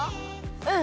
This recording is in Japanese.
うん！